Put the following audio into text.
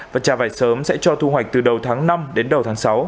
và trà vải sớm sẽ cho thu hoạch từ đầu tháng năm đến đầu tháng sáu